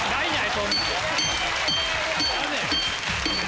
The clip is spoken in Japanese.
そんなん。